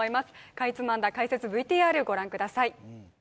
かいつまんだ解説ＶＴＲご覧ください